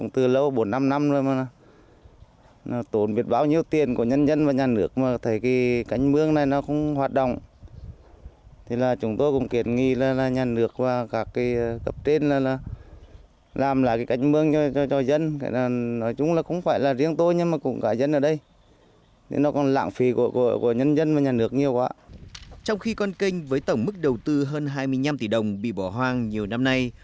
trong khi con kênh với tổng mức đầu tư hơn hai mươi năm tỷ đồng bị bỏ hoang nhiều năm nay